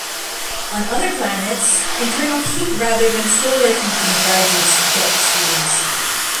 On other planets, internal heat rather than solar heating drives their jet streams.